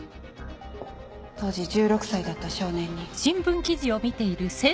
当時１６歳だった少年に。